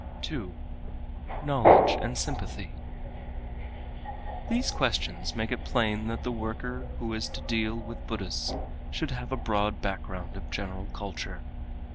2. Knowledge and Sympathy These questions make it plain that the worker who is to deal with Buddhists should have a broad background of general culture.